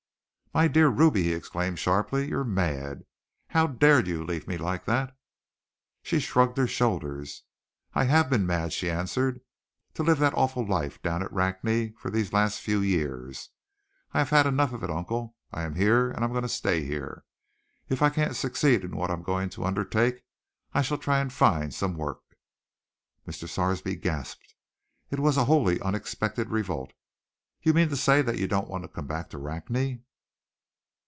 "My dear Ruby," he exclaimed sharply, "you are mad! How dared you leave me like that?" She shrugged her shoulders. "I have been mad," she answered, "to live that awful life down at Rakney for these last few years. I've had enough of it, uncle. I am here, and I am going to stay here. If I can't succeed in what I am going to undertake, I shall try and find some work." Mr. Sarsby gasped. It was a wholly unexpected revolt. "You mean to say that you don't want to come back to Rakney?"